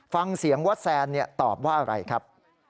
ฟังเสียงว่าแซนตอบว่าอะไรครับ